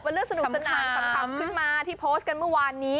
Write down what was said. เรื่องสนุกสนานขำขึ้นมาที่โพสต์กันเมื่อวานนี้